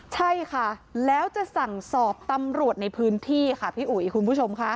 ใช่ค่ะแล้วจะสั่งสอบตำรวจในพื้นที่ค่ะพี่อุ๋ยคุณผู้ชมค่ะ